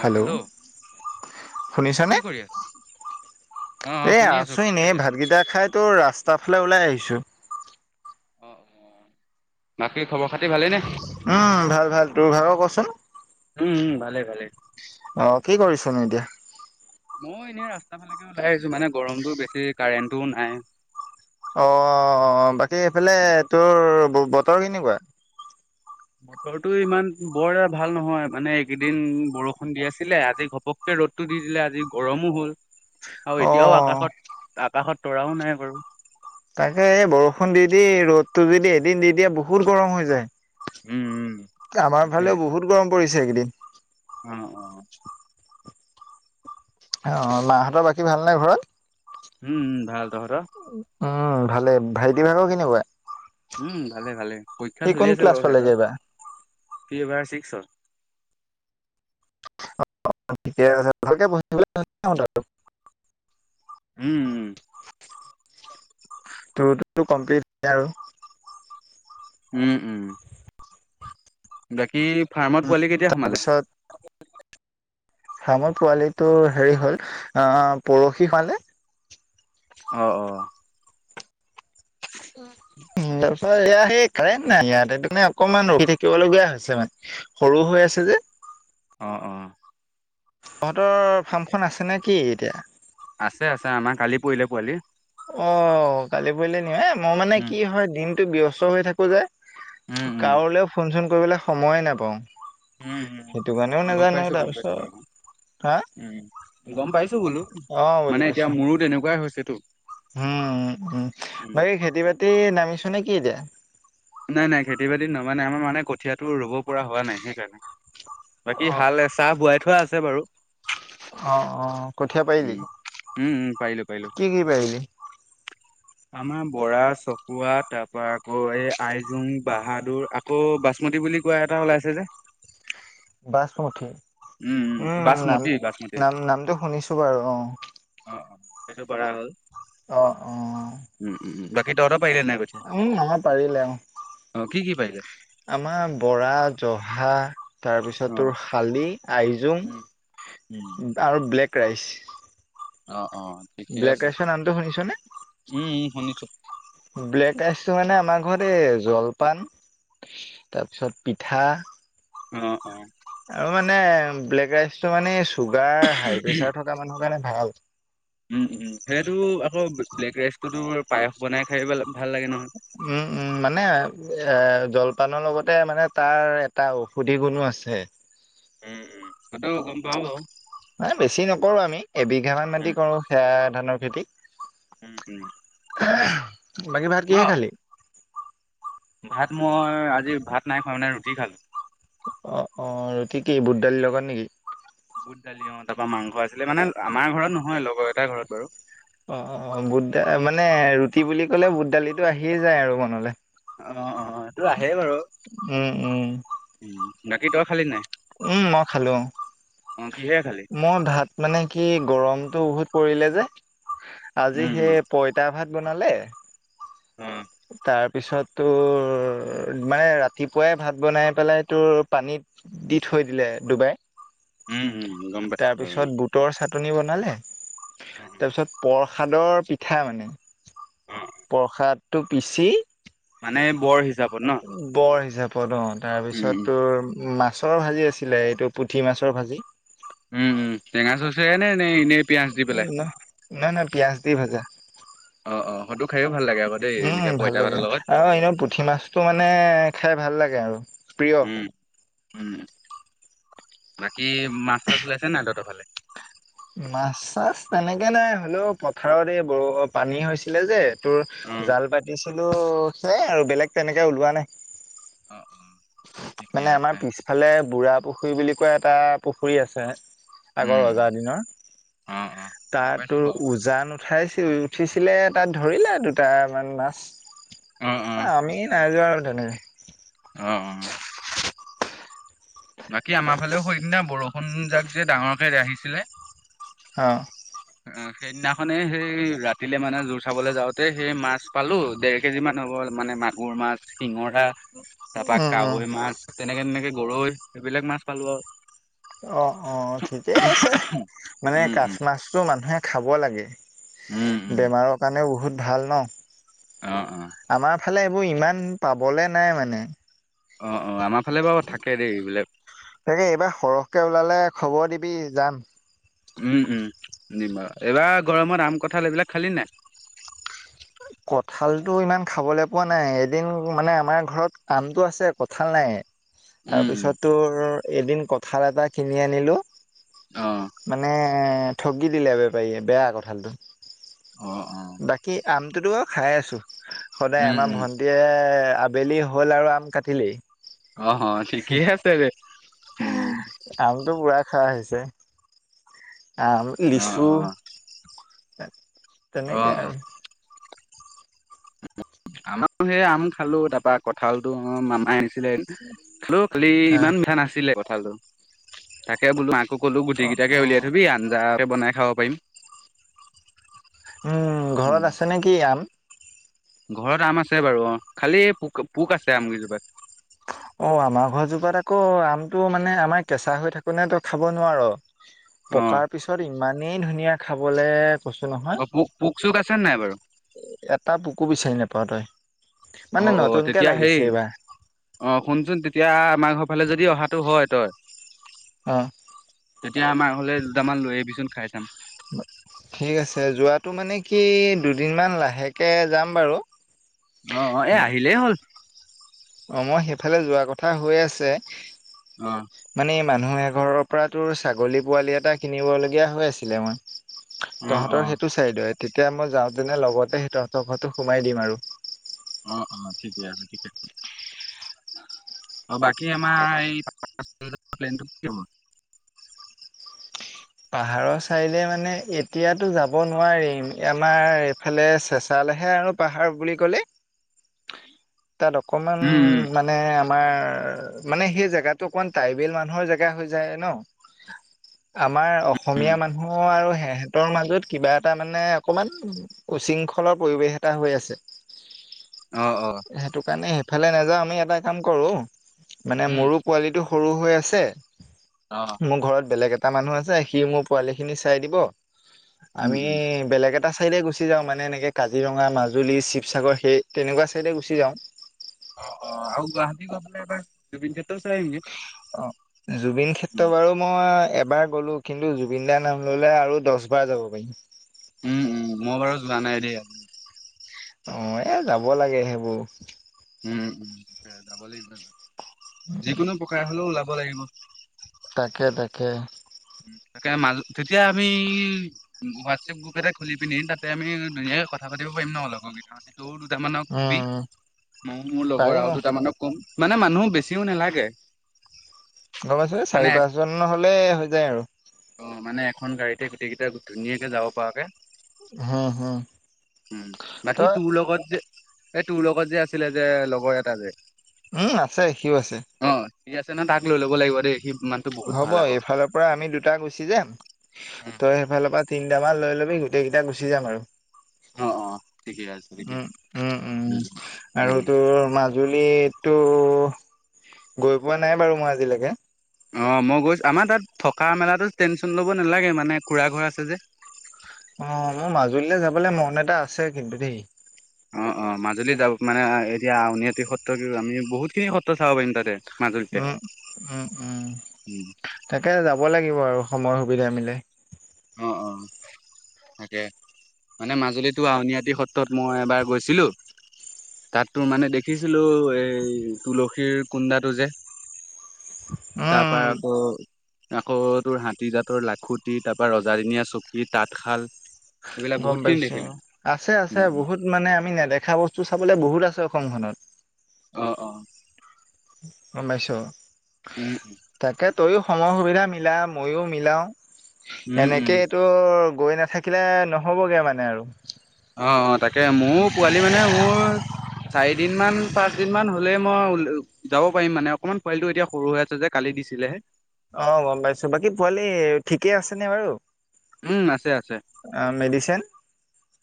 Hello কি শুনিছনে? কৰি আছা? অ অ এই শুনি আছো আচো কি কৰি এনেই, আছা? ভাতকেইটা খাই তোৰ ৰাস্তাৰ ফালে ওলাই আহিছো। অ', -অ', বাকী' খবৰ-খাতি ভালেই নে? উমঁ, ভাল-ভাল। তোৰ ভাগ ক'চোন? উমঁ, ভালেই-ভালেই। অ', কি কৰিছা নো এতিয়া? মই এনেই আৰু ৰাস্তা ফালে ওলাই আহিছো। এই গৰমতো বেছি কাৰেণ্টটোও নাই। অ, বাকী সেইফালে তোৰ বতৰ কেনেকুৱা? বতৰটো ইমান বৰ এটা ভাল নহয়, মানে এইকেইদিন বৰষুণ দি আছিলে, আজি ঘপক- ৰ'দটো দি দিলে আজি গৰমো হ'ল। আৰু অ এতিয়াও আকাশত, আকাশত তৰাও নাই বাৰু। তাকে, এই বৰষুণ দি-দি ৰ'দটো যদি এদিন দি দিয়ে বহুত গৰম হৈ যায়। উম-উম। আমাৰ ফালেও বহুত গৰম পৰিছে এই কেইদিন। অঁ', -অঁ। অ, মাহঁতৰ বাকী ভাল নে ঘৰত? উমঁ-উমঁ, ভাল। তহঁতৰ? উমঁ, ভালেই। ভাইটি ভাগৰ কেনেকুৱা? উমঁ, ভালেই-ভালেই পৰীক্ষা সি কোন চলি আছে ক্লাছ বাৰু সিহঁতৰ পালেগে এইবাৰ? সি এইবাৰ ছিক্স হ'ল। ঠিকে আছে। ভালকে পঢ়ি থাকিব কবা ভাইটিটোক। উমঁ। তোৰটো কমপ্লিট হ'লে আৰু। উমঁ-উমঁ। বাকী' ফাৰ্মত পোৱালি কেতিয়া সোমালে? ফামৰ পোৱালি টো হেৰি হ'ল আঁহ' পৰখি সৰালে। অ', -অ',। উ [unintelligible] হয়, সেই কাৰেণ্ট নাই, ইয়াতে অকণমান ৰখি থাকিবলগীয়া হৈছে মানে সৰু হৈ আছে যে। অ', -অ',। তহঁতৰ ফাৰ্মখন আছে নে কি এতিয়া? আছে-আছে আমাৰ কালি, পৰিলে পোৱালি। অ', -কালি পৰিলে নি, মই মানে উম, কি হয় দিনটো ব্যস্ত হৈ থাকো যে। উম, উম, কাৰোলৈও ফোন-চোন কৰিবলৈ সময়ে নাপাওঁ। উমঁ, হুম, সেইটো কাৰণেও গম নাজানো পাইছো-গম পাইছো তাৰপিছত বাৰু। হা উম' গম পাইছোঁ বোলো, অ' মানে এতিয়া মোৰো তেনেকুৱাই হৈছে তো। উমঁ-উমঁ-উমঁ। বাকী' খেতি-বাতি নামিছ নে কি এতিয়া? নাই-নাই খেতি-বাতি নমা নাই, আমাৰ মানে কঠিয়াতো ৰুব পৰা হোৱা নাই সেইকাৰণে। বাকী অ', হাল এচা- বোৱাই থোৱা আছে বাৰু। অঁ', -অঁ', কঠীয়া পাৰিলি উম। উম, উম, পাৰিলো পাৰিলো কি কি পাৰিলি? আমাৰ বৰা, চকুৱা তাৰ পৰা আকৌ এই- আইজুং, বাহাদুৰ, আকৌ বাচমুঠি বুলি কোৱা এটা ওলাইছে যে। বাচমুঠি উম, নাম- নাম নামটো শুনিছোঁ বাৰু অ, অ, অ, সেইটো কৰা হ'ল, অ অ উম, উম, বাকী তহঁতৰ পাৰিলে নাই কঠীয়া? উম আমাৰ পাৰিলে অ, অ, কি কি পাৰিলে? আমাৰ বৰা-জহা তাৰপিছত অ তোৰ শালি, আই জুং উম উম আৰু ব্লেক ৰাইচ। অ, অ, ঠিকে ব্লেক আছে ৰাইচৰ, নামটো শুনিছনে? উম উম শুনিছো। ব্লেক ৰাইচটো মানে, আমাৰ ঘৰত এই জলপান। তাৰপিছত, পিঠা। অ, অ, আৰু মানে ব্লেক ৰাইচ টো, মানে চুগাৰ, হাই প্ৰেচাৰ থকা মানুহৰ কাৰণে ভাল। উম, উম, সেইটো আকৌ ব্লেক ৰাইচটোতো, পায়স বনাই খাই ভাল লাগে নহয়। উম, উম, মানে এ, জলপানৰ লগতে মানে তাৰ এটা ঔষধি গুণো আছে। উম, উম, সেইটো গম পাওঁ, বাৰু। নাই, বেছি নকৰোঁ আমি এবিঘা মান উম মাটি কৰোঁ, সেয়া ধানৰ খেতি। উম, উম, বাকী ভাত, ন কিহে খালি? ভাত মই, আজি ভাত নাই খোৱা মানে ৰুটি খালোঁ। অ, অ, ৰুটি কি বুট, দালি লগত নেকি? বুট, দালি অ, তাৰ পৰা মাংস আছিলে, মানে আমাৰ ঘৰত নহয় লগৰ এটাৰ ঘৰত বাৰু। অ, বুট দা, মানে ৰুটি বুলি ক'লে বুট দালিটো আহিয়ে যায়, আৰু মনলৈ। অ, অ, এইটো আহে বাৰু, উম, উম, উম, বাকী তই খালী নাই? উম, মই খালোঁ। অ, অ কিহেৰে খালি? মই ভাত মানে কি, গৰমটো বহুত পৰিলে যে, আজি উম সেই উম পইতা ভাত বনালে, অ তাৰ পিছত তোৰ, মানে ৰাতিপুৱাই ভাত বনাই পেলাই তোৰ পানীত দি থৈ দিলে ডুবাই, উম, উম, গম পাইছো বাৰু তাৰপিছত বুটৰ চাটনি বনালে। অ', তাৰপিছত প্ৰসাদৰ পিঠা মানে, অ', প্ৰসাদ টো, পিচি মানে বৰ, হিচাপত ন? বৰ হিচাপত অ, উম, তাৰপিছত তোৰ মাছ মাছৰ ভাজি আছিলে, এইটো পুঠি মাছৰ ভাজি। উম, উম, টেঙা চচে, নে, এনেই পিঁয়াজ দি পেলাই। ন নাই, নাই, পিয়াজ দি ভাজা। অ', অ', সেইটো খাইও ভাল লাগে আকৌ দেই এনেকে উম, ভাল পইতা লাগে, ভাতৰ লগত। আৰু এনেও, পু পুঠি মাছটো মানে খাই ভাল লাগে আৰু। প্ৰিয় উম, উম, বাকী মাছ-চাছ ওলাইছে নাই তহঁতৰ ফালে? মাছ- চাছ তেনেকে নাই, হ'লেও পথাৰত এই ব, পানী হৈছিলে যে। তোৰ, অ', জাল পাতিছিলো, সেইয়াই আৰু বেলেগ তেনেকে ওলোৱা নাই। অ, অ, ঠিকে মানে আছে আমাৰ পিছফালে, বুঢ়া পুখুৰী বুলি কোৱা, এটা পুখুৰী আছে। আগৰ উম, ৰজা দিনৰ, অ', অ', গম তাত পাইছো তোৰ বাৰু উজান উঠাইছিল। উঠিছিলে তাত ধৰিলে দুটা মান মাছ, অ', অ'। আমি নাইযোৱা আৰু তেনেকে। অ, অ, বাকী আমাৰ ফালেও সেইদিনা বৰষুণ যাক যে ডাঙৰকে আহিছিলে। অ। [inaudible] অ সেইদিনাখনে সেই ৰাতিলে মানে যুৰ চাবলৈ যাওঁতে সেই মাছ পালো দেৰ কেজি মান হ'ব মানে মাছ। মোৰ মাছ। শিঙৰা তাপা উম উম কাৱৈ মাছ তেনেকে তেনেকে গৰৈ ইবিলাক মাছ পালো আৰু। অ অ ঠিকেই আছে মানে উম কাঠ উম। মাছটো মানুহে খাব লাগে। উম উম বেমাৰৰ কাৰণেও বহুত ভাল ন। অ অ। আমাৰ ফালে এইবোৰ ইমান পাবলে নাই মানে। অঁ অঁ আমাৰ ফালে বাৰু থাকে দেই এইবিলাক। তাকে এইবাৰ সৰহকে ওলালে খবৰ দিবি যাম। উম উম নিম এইবাৰ গৰমত আম কঁঠাল এইবিলাক খালি নাই। কঠালতটো ইমান খাবলৈ পোৱা নাই এদিন মানে আমাৰ ঘৰত আমটো আছে কঠাল নাই। উম উম তাৰপিছত তোৰ এদিন কঠাল এটা কিনি আনিলো অ মানে ঠগি দিলে বেপাৰিয়ে বেয়া কঁঠালটো অ অ বাকী আমটোতো খাই আছো সদায় উম আমাৰ উম ভন্টিৱে বেলি হ'ল আৰু আম কাটিলেই অহ ঠিকেই আছে দে উম। আমটো পুৰা খোৱা হৈছে। আম অ লিচু অ অ তেনেকে অ আৰু। আমাৰো সেই আম খালো তাৰপা কঁঠাল টো মামায়ে আনিছিলে। খালো খালি হা ইমান মিঠা নাছিলে কথাটো তাকে বোলো মা কলো অ গুটি অ কেইটাকে উলিয়াই থবি আঞ্জাকে বনাই খাব পাৰিম। উম ঘৰত আছে নেকি আম। ঘৰত আম আছে বাৰু অ খালি পোক পোক আছে আম কিজোপাত। অ আমাৰ ঘৰ জোপাত আকৌ আমটো মানে আমাৰ কেঁচা হৈ থাকো ন তো খাব নোৱাৰ। অ পকাৰ পিছত ইমানেই ধুনীয়া খাবলে। কৈছো নহয় অ পোক পোক চোক আছে নাই বাৰু এটা পোকু বিচাৰি নেপাৱ তই। অ মানে অ নতুনকে তেতিয়া হেই লাগিছে এইবাৰ। অ শুনচোন তেতিয়া আমাৰ ঘৰ ফালে যদি অহাটো হয় তই। হ। তেতিয়া আমাৰ ঘলে দুটামান লৈ আহবিচোন খাই চাম ঠিক আছে যোৱাতটো মানে কি দুদিনমান লাহেকে যাম বাৰু- অ অ এ আহিলেই হ'ল- অ মই সেইফালে যোৱা কথা হৈ আছে- অ- মানে মানুহ এঘৰৰ পৰা তোৰ ছাগলী পোৱালি এটা কিনিবলগীয়া হৈ আছিলে মই- অ অ তহঁতৰ সেইটো চাইদয়ে তেতিয়া মই যাওঁতেনে লগতে সেই তহঁতৰ ঘৰতো সোমাই দিম আৰু- অ অ ঠিকে আছে ঠিকে- অ বাকী আমাৰ [unintelligible] কি হল। পাহাৰৰ চাৰিলে মানে এতিয়াতো যাব নোৱাৰিম এ আমাৰ- এইফালে চেঁচালেহে আৰু পাহাৰ বুলি ক'লে- [inaudible] তাত অকমান উম উম মানে তোমাৰ মানে সেই জেগাতো অকমান ট্ৰাইবেল মানুহৰ জেগা হৈ যায় ন। আমাৰ উম অসমীয়া মানুহ আৰু সেহঁতৰ মাজত কিবা এটা মানে অকণমান উশৃংখলৰ পৰিৱেশ এটা হৈ আছে। অ অ সেইটো কাৰণে সেইফালে নাযাওঁ আমি এটা কাম কৰোঁ মানে উম মোৰো পোৱালিটো সৰু হৈ আছে। অহ। মোৰ ঘৰত বেলেগ এটা মানুহ আছে সি মোৰ পোৱালি খিনি চাই দিব উম আমি উম বেলেগ এটা চাইডে গুচি যাওঁ মানে এনেকৈ কাজিৰঙা মাজুলী শিৱসাগৰ সেই তেনেকুৱা ছাইডে গুচি যাওঁ। অ অ আৰু গুৱাহাটী গৈ কেনে এবাৰ জুবিন ক্ষেত্ৰ অ জুবিন ক্ষেত্ৰ উম বাৰু মই এবাৰ গ'লো কিন্তু জুবিন দাৰ নাম ললে আৰু দহ বাৰ যাব পাৰিম। উম উম মই বাৰু যোৱা নাই দেই। অ এ যাব লাগে সেইবোৰ। উম উম যাব লাগিব, যিকোনো প্ৰকাৰে হলেও ওলাব লাগিব। তাকে তাকে। তাকে মাজ তেতিয়া আমি হোৱাটছএপ গ্ৰুপ এটা খুলি পিনি তাতে আমি ধুনীয়াকে কথা পাতি পাৰিম নহ লগৰগিতা হতি। তৌ দুটামানক কবি উম মৌ মোৰ লগৰ পাৰিম আৰু দুটামানক কম। মানে মানুহ বেছিও নালাগে। গম পাইছোঁ এ মানে চাৰি পাঁচজন হলে হৈ যায় আৰু। অ মানে এখন গাড়ীতে গোটেইকেইটা ধুনীয়াকে যাব পৰাকে। হম হম উম বাকী তই তোৰ লগত যে এই তোৰ লগত যে আছিলে যে লগৰ এটা যে উম আছে সিও আছে। অ ঠিক আছে নহ তাক লৈ ল'ব লাগিব দেই সি মানুহটো বহুত হ'ব ভাল আকৌ। এইফালৰ পৰা আমি দুটা গুচি যাম তই সেইফালৰ পৰা তিনটামান লৈ লবি গোটেই কেইটা গুচি যাম আৰু। অ অ ঠিকে আছে তেতিয়া উম উম উম আৰু উম তোৰ মাজ জুলিটো গৈ পোৱা নাই বাৰু মই আজিলৈকে। অ মই গৈছো আমাৰ তাত থকা মেলাতো টেনশ্যন ল'ব নালাগে মানে খুৰা ঘৰ আছে যে। অ মোৰ মাজুলীলে যাবলৈ মন এটা আছে কিন্তু দেই। অ অ মাজুলিত যাব মানে এতিয়া আউনীআটি সত্ৰ কি আমি বহুত খিনি সত্ৰ চাব পাৰিম তাতে। মাজুলীতে। উম উম উম তাকে যাব লাগিব আৰু সময় সুবিধা মিলাই। অ অ তাকে মানে মাজুলীতটো আউনীআতি সত্ৰত মই এবাৰ গৈছিলো। তাত তো মানে দেখিছিলো এই তুলসীৰ কুণ্ন্দাটো যে। উম তাৰ পৰা উম আকৌ আকৌ তোৰ হাতী দাতৰ লাখুটি তাৰ বা ৰজা দিনীয়া চুকী তাঁতশাল। এইবিলাক গম বহুত খিনি পাইছো, দেখিলো। আছে আছে বহুত মানে আমি নেদেখা বস্তু চাবলে বহুত আছে অসমখনত। অ অ গমপাইছ উম তাকে তয়ো সময় সুবিধা মিলা ময়ো মিলাও উম উম এনেকে। তো গৈ নাথাকিলে নহ'বগৈ মানে আৰু। অ অ তাকে মোৰ পোৱালি মানে মোৰ চাৰি দিন মান পাঁচ দিন মান হলে মই যাব পাৰিম মানে অকমান পোৱালিটো এতিয়া সৰু হৈ আছে যে, কালি দিছিলে হে। অঁ গম পাইছো। বাকী পোৱালি ঠিকেই আছেনে বাৰু? উম আছে আছে অ মেডিচিন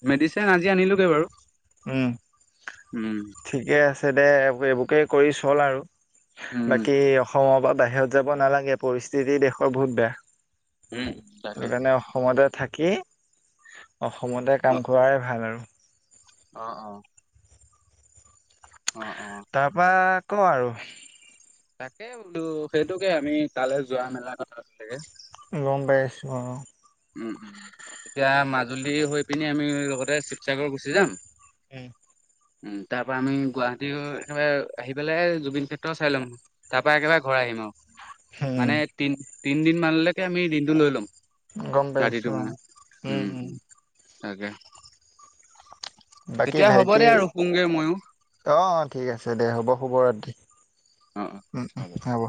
মেডিচিন আজি আনিলো গে বাৰু। উম উম ঠিকে আছে দে এইবোকে কৰি চল আৰু। উম বাকী অসমৰ পৰা বাহিৰত যাব নালাগে পৰিস্থিতি দেশৰ বহুত বেয়া। উম তাকে সেই কাৰণে অসমতে থাকি অসমতে অ কাম কৰাই ভাল আৰু। অ অ। অ অ। তাৰপৰা কওঁ আৰু। তাকে বোলো সেইটোকে আমি তালে যোৱা মেলা কথা গম পাইছো অঁ। উম উম এতিয়া মাজুলী হৈ পিনি আমি লগতে শিৱসাগৰ গুচি যাম। উম উম তাৰ পৰা আমি গুৱাহাটী হৈ একবাৰে আহি পেলাই হে জুবিন ক্ষেত্ৰ চাই লম। তাৰপৰা একেবাৰে ঘৰ আহিম আৰু উম মানে তিনদিন মানলৈকে আমি দিনটো লৈ লম। গম পাইছো অ ৰাতিটোলে উম। তাকে, বাকী এতিয়া হব ভাইটি দে আৰু শুগে মইয়ো। অ অ ঠিক আছে দে হ'ব। শুভ ৰাতি, অ অ উম হ'ব।